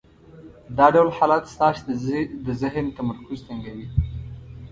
دا ډول حالت ستاسې د ذهن تمرکز تنګوي.